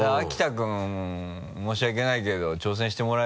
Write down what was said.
君申し訳ないけど挑戦してもらえる？